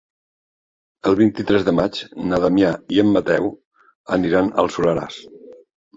El vint-i-tres de maig na Damià i en Mateu aniran al Soleràs.